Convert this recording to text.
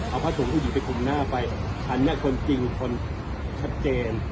เอาผ้าถุงผู้หญิงไปคุมหน้าไปอันนี้คนจริงคนชัดเจน